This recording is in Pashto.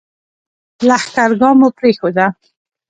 لښکرګاه مو پرېښوده.